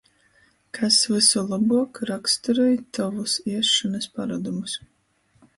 Kas vysu lobuok roksturoj Tovus iesšonys parodumus?